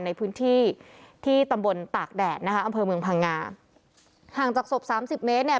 ในพื้นที่ที่ตำบลตากแดดนะคะอำเภอเมืองพังงาห่างจากศพสามสิบเมตรเนี่ย